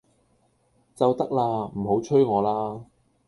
就得啦，唔好催我啦！